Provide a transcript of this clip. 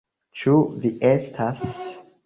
Ĉu vi estas...